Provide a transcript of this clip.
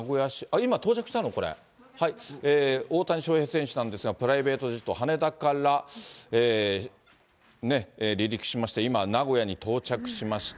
大谷翔平選手なんですが、プライベートジェット、羽田から離陸しまして、今、名古屋に到着しました。